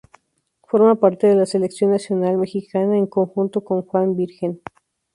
Forma parte de la selección nacional mexicana en conjunto con Juan Virgen.